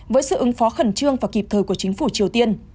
với sự ứng phó khẩn trương và kịp thời của chính phủ triều tiên